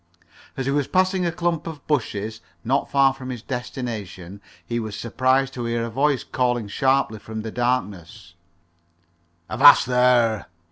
As he was passing a clump of bushes, not far from his destination, he was surprised to hear a voice calling sharply from the darkness: "Avast there!"